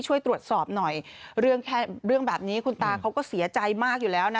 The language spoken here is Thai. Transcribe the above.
ช่วยตรวจสอบหน่อยเรื่องแค่เรื่องแบบนี้คุณตาเขาก็เสียใจมากอยู่แล้วนะ